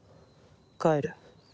帰る。